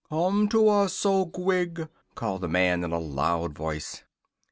"Come to us, oh, Gwig!" called the man, in a loud voice.